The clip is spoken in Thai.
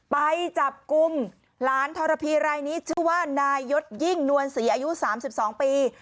ไปจับกลุ่มหลานทรพีรายนี้ชื่อว่านายยศยิ่งนวลศรีอายุ๓๒ปี